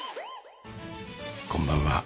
こんばんは。